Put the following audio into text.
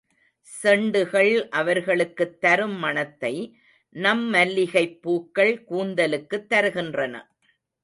செண்டுகள் அவர்களுக்குத் தரும் மணத்தை நம் மல்லிகைப்பூக்கள் கூந்தலுக்குத் தருகின்றன.